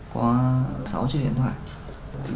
có sáu chiếc điện thoại